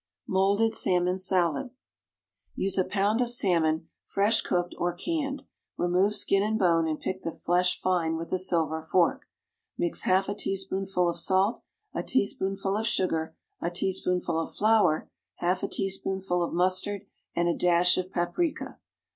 =Moulded Salmon Salad.= Use a pound of salmon, fresh cooked or canned. Remove skin and bone, and pick the flesh fine with a silver fork. Mix half a teaspoonful of salt, a teaspoonful of sugar, a teaspoonful of flour, half a teaspoonful of mustard, and a dash of paprica.